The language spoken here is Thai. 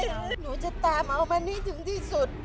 หุ่นหนูจะตามเอามันที่ถึงที่สุด